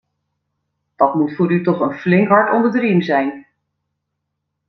Dat moet voor u toch een flink hart onder de riem zijn.